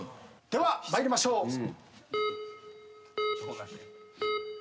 では参りましょう。